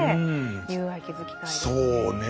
友愛築きたいですね。